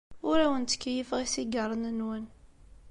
Ur awen-ttkeyyifeɣ isigaṛen-nwen.